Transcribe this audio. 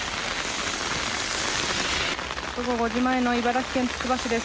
午後５時前の茨城県つくば市です。